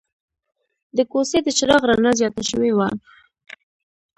د کوڅې د چراغ رڼا زیاته شوې وه.